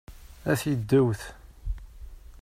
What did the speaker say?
A tiddewt!